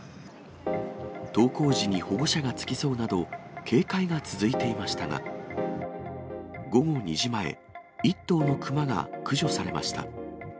登校時に保護者が付き添うなど、警戒が続いていましたが、午後２時前、１頭の熊が駆除されました。